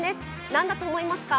何だと思いますか？